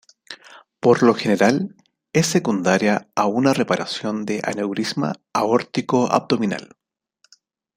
Por lo general, es secundaria a una reparación de aneurisma aórtico abdominal.